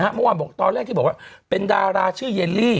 เพราะว่ามันตอนแรกเขาบอกว่าเป็นดาราชื่อเยลลี